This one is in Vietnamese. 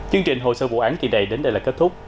chương trình hồ sơ vụ án kỳ này đến đây là kết thúc